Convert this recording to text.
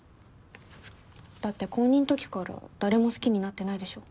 だって高２んときから誰も好きになってないでしょ